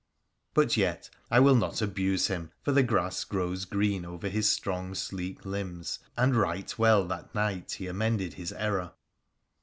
But yet, I will not abuse him, for the grass grows green over his strong, sleek limbs, and right well that night he amended his error